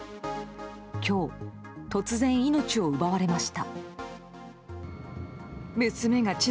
今日、突然命を奪われました。